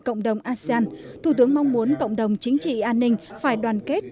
cộng đồng asean thủ tướng mong muốn cộng đồng chính trị an ninh phải đoàn kết